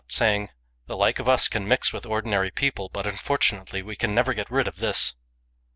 90 STRANGE STORIES saying, " The like of us can mix with ordinary people, but unfortunately we can never get rid of this."